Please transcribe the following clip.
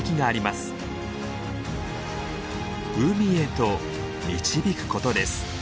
海へと導くことです。